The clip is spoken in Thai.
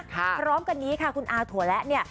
พร้อมกันนี้ค่ะคุณอาถั่วและเนี่ย